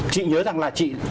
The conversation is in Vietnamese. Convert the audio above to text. chị nhớ rằng là chị